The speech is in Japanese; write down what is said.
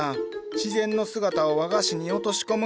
自然の姿を和菓子に落とし込む。